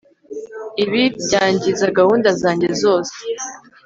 Ibi byangiza gahunda zanjye zose